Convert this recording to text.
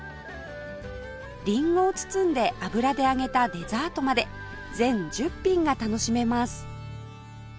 リンゴを包んで油で揚げたデザートまで全１０品が楽しめます